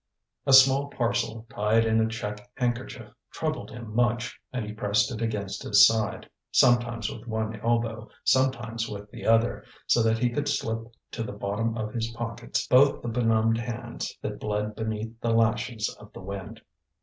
A small parcel tied in a check handkerchief troubled him much, and he pressed it against his side, sometimes with one elbow, sometimes with the other, so that he could slip to the bottom of his pockets both the benumbed hands that bled beneath the lashes of the wind.